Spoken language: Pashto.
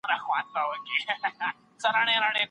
توافق نه کيده.